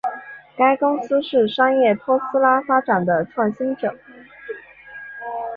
该公司是商业托拉斯发展的创新者。